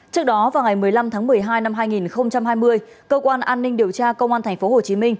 trước đó vào ngày một mươi năm tháng một mươi hai năm hai nghìn hai mươi cơ quan an ninh điều tra công an tp hcm